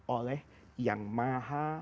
oleh yang maha